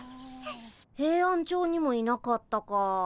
ヘイアンチョウにもいなかったか。